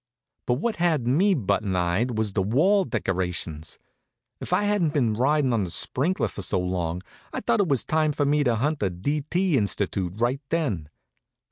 But what had me button eyed was the wall decorations. If I hadn't been ridin' on the sprinker for so long I'd thought it was time for me to hunt a D. T. institute right then.